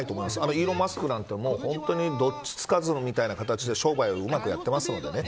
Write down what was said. イーロン・マスクなんかもどっちつかずという形で商売をうまくやってます。